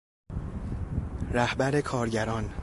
رهبر کارگران